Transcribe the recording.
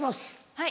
はい。